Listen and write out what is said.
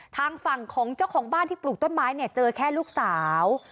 ทางฝั่งของเจ้าของบ้านที่ปลูกต้นไม้เนี่ยเจอแค่ลูกสาว